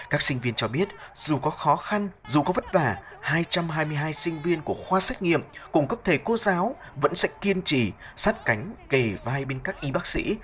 cho biết dù có khó khăn dù có vất vả hai trăm hai mươi hai sinh viên của khoa xét nghiệm cùng cấp thể cô giáo vẫn sẽ kiêm trì sát cánh kề vai bên các y bác sĩ